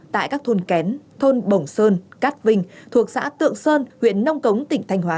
tại các thôn kén thôn bổng sơn cát vinh thuộc xã tượng sơn huyện nông cống tỉnh thanh hóa